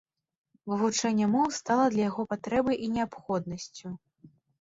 Вывучэнне моў стала для яго патрэбай і неабходнасцю.